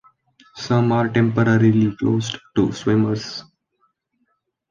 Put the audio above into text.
Some are temporarily closed to swimmers.